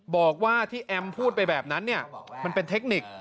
บอกว่าที่แอมพูดไปแบบนั้นเนี่ยมันเป็นเทคนิค